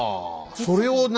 それを何？